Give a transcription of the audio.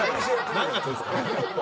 何月ですか？